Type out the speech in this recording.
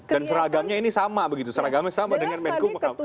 dan seragamnya ini sama begitu seragamnya sama dengan menkum